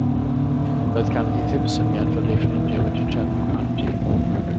Doedd ganddi ddim syniad fod ei ffrindiau wedi trefnu parti.